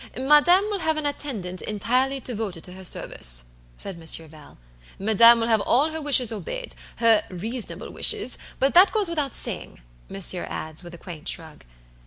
"Madam will have an attendant entirely devoted to her service." said Monsieur Val. "Madam will have all her wishes obeyed; her reasonable wishes, but that goes without saying," monsieur adds, with a quaint shrug.